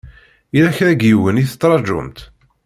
Yella kra n yiwen i tettṛajumt?